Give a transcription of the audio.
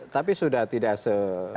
tapi sudah tidak se